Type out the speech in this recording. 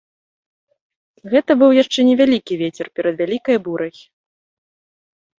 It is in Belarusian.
Гэта быў яшчэ невялікі вецер перад вялікай бурай.